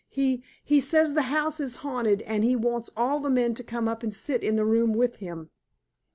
He he says the house is haunted and he wants all the men to come up and sit in the room with him."